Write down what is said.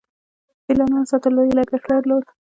د فیلانو ساتل لوی لګښت درلود